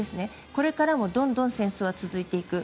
これからもどんどん戦争は続いていく。